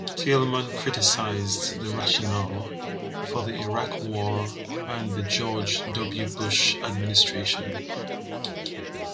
Thielmann criticized the rationale for the Iraq War and the George W. Bush Administration.